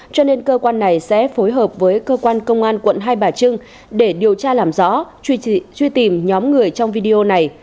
cho nên cơ quan này sẽ phối hợp với cơ quan công an quận hai bà trưng để điều tra làm rõ truy tìm nhóm người trong video này